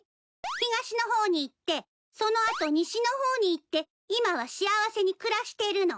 東の方に行ってその後西の方に行って今は幸せに暮らしてるの。